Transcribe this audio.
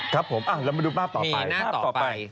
ครับผมแล้วมาดูหน้าต่อไป